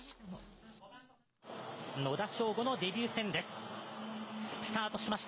野田昇吾のデビュー戦です。